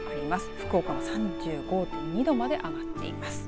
福岡も３５．２度まで上がっています。